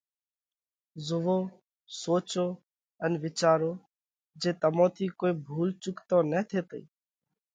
زوئو، سوچو ان وِيچارو جي تمون ٿِي ڪوئي ڀُول چُڪ تو نه ٿيتئِي!